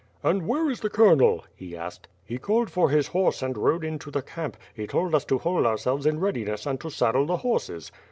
"And where is the colonel?" he asked. "He called for his horse and rode into the camp. He told lis to hold ourselves in readiness and to saddle the horses."